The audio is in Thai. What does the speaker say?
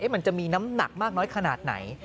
มันจะมีน้ำหนักมากน้อยขนาดไหน